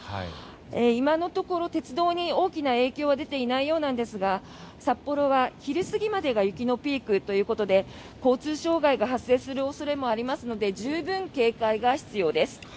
今のところ鉄道に大きな影響は出ていないようなんですが札幌は昼過ぎまでが雪のピークということで交通障害が発生する恐れもありますので十分警戒が必要です。